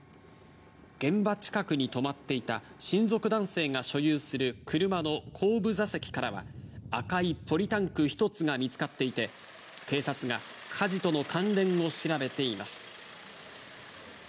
現場近くに止まっていた、親族男性が所有する車の後部座席からは、赤いポリタンク１つが見つかっていて、警察が火事との関連を調べています。